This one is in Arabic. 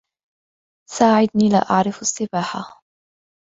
ساعدني. لا أعرف السّباحة.